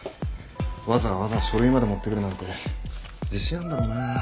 わざわざ書類まで持ってくるなんて自信あるんだろうな。